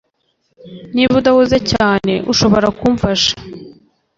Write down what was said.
Niba udahuze cyane ushobora kumfasha